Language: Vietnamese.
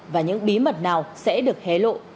và những bí mật nào sẽ được hé lộ